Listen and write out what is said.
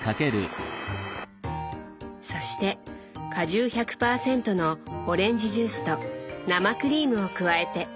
そして果汁１００％のオレンジジュースと生クリームを加えて。